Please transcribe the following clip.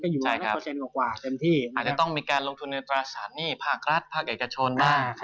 อาจจะต้องมีการลงทุนในประสานิภาครัฐภาษาเอกชนบ้าง